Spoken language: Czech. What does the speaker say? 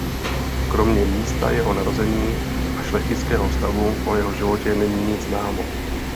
Kromě místa jeho narození a šlechtického stavu o jeho životě není nic známo.